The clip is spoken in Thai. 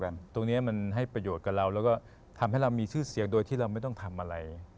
แต่ตรงนี้มันให้ประโยชน์กับเราแล้วก็ทำให้เรามีชื่อเสียงโดยที่เราไม่ต้องทำอะไร